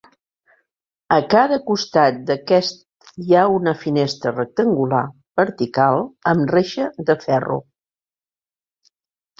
A cada costat d’aquest, hi ha una finestra rectangular vertical amb reixa de ferro.